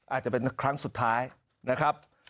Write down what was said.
อาจจะเป็นครั้งสุดท้ายนะครับ